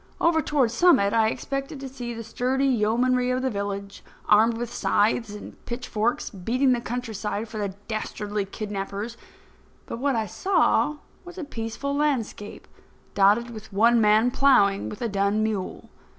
Over toward Summit I expected to see the sturdy yeomanry of the village armed with scythes and pitchforks beating the countryside for the dastardly kidnappers. But what I saw was a peaceful landscape dotted with one man ploughing with a dun mule.